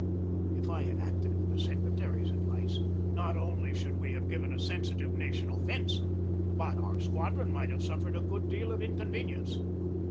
If I had acted on the secretary's advice, not only should we have given a sensitive nation offence, but our squadron might have suffered a good deal of in convenience.